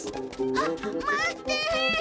あっ待って！